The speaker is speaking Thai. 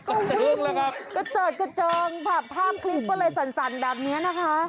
ก็วิ่งกระเจิดกระเจิงภาพคลิปก็เลยสั่นแบบนี้นะคะ